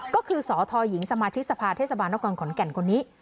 ก็คือสทหญิงสมาชิกสภาเทศบาลนครขอนแก่นคนนี้